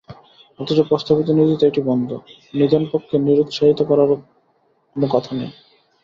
অথচ প্রস্তাবিত নীতিতে এটি বন্ধ, নিদেনপক্ষে নিরুত্সাহিত করারও কোনো কথা নেই।